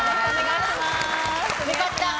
良かった。